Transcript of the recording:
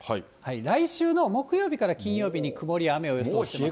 来週の木曜日から金曜日に曇りや雨を予想してますが。